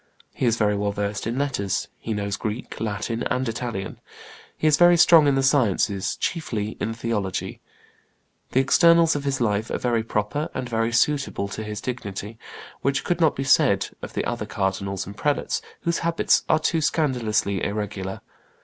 He is very well versed in letters: he knows Greek, Latin, and Italian. He is very strong in the sciences, chiefly in theology. The externals of his life are very proper and very suitable to his dignity, which could not be said of the other cardinals and prelates, whose habits are too scandalously irregular.